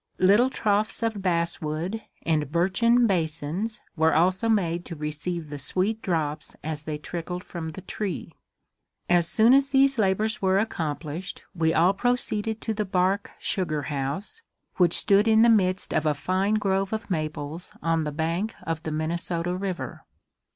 Little troughs of basswood and birchen basins were also made to receive the sweet drops as they trickled from the tree. As soon as these labors were accomplished, we all proceeded to the bark sugar house, which stood in the midst of a fine grove of maples on the bank of the Minnesota river.